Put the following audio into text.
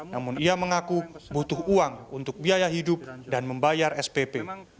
namun ia mengaku butuh uang untuk biaya hidup dan membayar spp